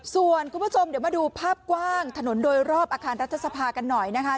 ส่วนคุณผู้ชมเดี๋ยวมาดูภาพกว้างถนนโดยรอบอาคารรัฐสภากันหน่อยนะคะ